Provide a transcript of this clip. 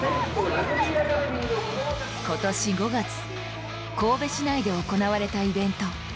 今年５月神戸市内で行われたイベント。